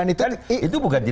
itu bukan tidak mungkin